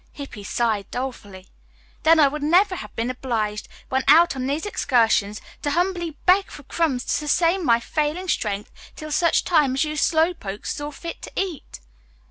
Hippy sighed dolefully. "Then I would never have been obliged when out on these excursions to humbly beg for crumbs to sustain my failing strength till such time as you slow pokes saw fit to eat."